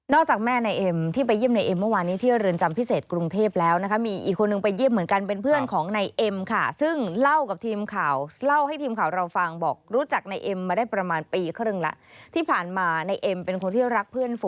นอกจากแม่นายเอมที่ไปเยี่ยมนายเอมเมื่อวานที่เที่ยว